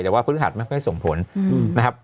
แต่ว่าพฤหัสไม่ค่อยส่งผลนะครับ